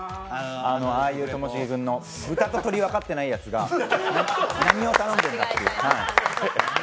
ああいう、ともしげ君の、豚と鶏、分かってないやつが何を頼んでるんだと。